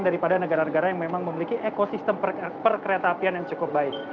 daripada negara negara yang memang memiliki ekosistem perkereta apian yang cukup baik